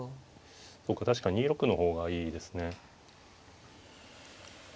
そうか確かに２六の方がいいですね。